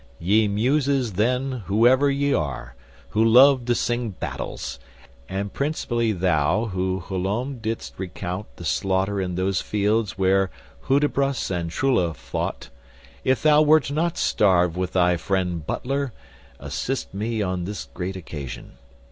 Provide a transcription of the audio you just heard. Ye Muses, then, whoever ye are, who love to sing battles, and principally thou who whilom didst recount the slaughter in those fields where Hudibras and Trulla fought, if thou wert not starved with thy friend Butler, assist me on this great occasion.